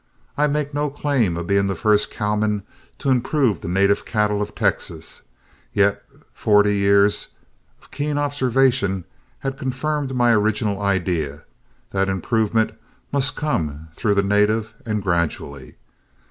I make no claim of being the first cowman to improve the native cattle of Texas, yet forty years' keen observation has confirmed my original idea, that improvement must come through the native and gradually.